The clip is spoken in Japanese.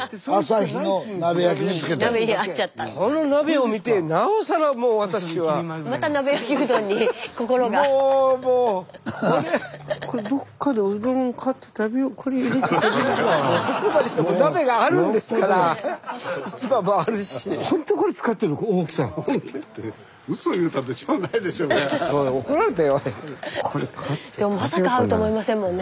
スタジオでもまさか会うと思いませんもんね